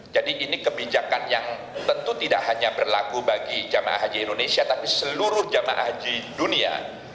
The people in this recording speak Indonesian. jadi ini kebijakan yang tentu tidak hanya berlaku bagi jemaah haji indonesia tapi seluruh jemaah haji dunia